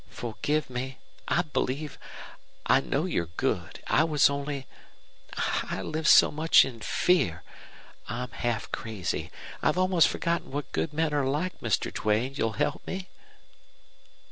"Forgive me. I believe I know you're good. It was only I live so much in fear I'm half crazy I've almost forgotten what good men are like, Mister Duane, you'll help me?"